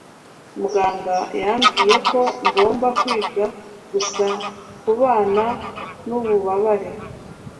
Muganga yambwiye ko ngomba kwiga gusa kubana nububabare.